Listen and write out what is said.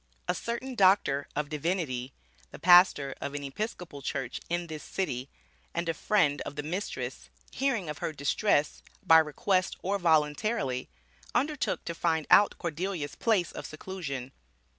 A certain Doctor of Divinity, the pastor of an Episcopal church in this city and a friend of the mistress, hearing of her distress, by request or voluntarily, undertook to find out Cordelia's place of seclusion.